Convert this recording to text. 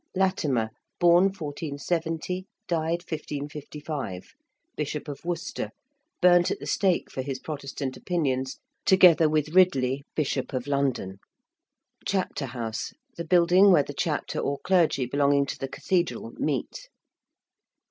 ~Latimer~ (born 1470, died 1555), Bishop of Worcester, burnt at the stake for his Protestant opinions together with Ridley, Bishop of London. ~chapter house~: the building where the chapter or clergy belonging to the cathedral meet.